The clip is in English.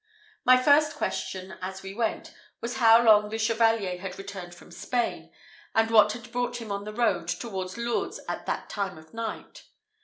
My first question, as we went, was how long the Chevalier had returned from Spain, and what had brought him on the road towards Lourdes at that time of night.